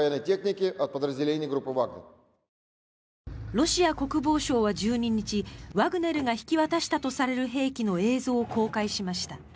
ロシア国防省は１２日ワグネルが引き渡したとされる武器の映像を公開しました。